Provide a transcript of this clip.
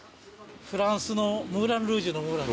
フランスのムーラン・ルージュの「ムーラン」